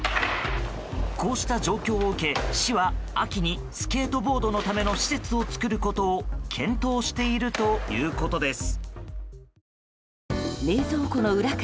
こうした状況を受け、市は秋にスケートボードのための施設を作ることを検討しているということです。